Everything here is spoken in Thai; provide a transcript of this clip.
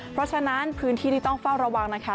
เพราะฉะนั้นพื้นที่ที่ต้องเฝ้าระวังนะคะ